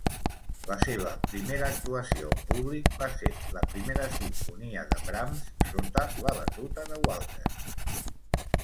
La seva primera actuació en públic va ser la Primera Simfonia de Brahms sota la batuta de Walter.